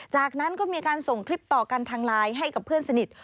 จากนั้นก็มีการส่งคลิปต่อกันทางไลน์ให้กับเพื่อนสนิท